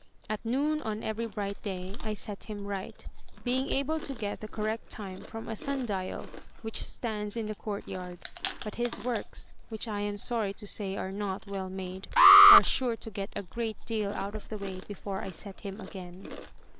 At noon, on every bright day, I set him right, being able to get the correct time from a sun dial which stands in the court yard. But his works — which I am sorry to say are not well made — are sure to get a great deal out of the way before I set him again."